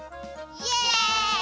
イエイ！